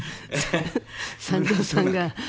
三條さんが。